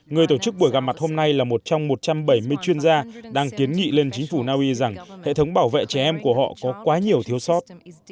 người tổ chức buổi gặp mặt hôm nay là một trong một trăm bảy mươi chuyên gia đang kiến nghị lên chính phủ naui rằng hệ thống bảo vệ trẻ em của họ có quá nhiều thiếu sót